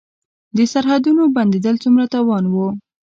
د سرحدونو بندیدل څومره تاوان و؟